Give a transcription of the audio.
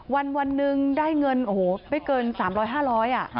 วันนึงได้เงินโอ้โหไปเกิน๓๐๐๕๐๐อ่ะ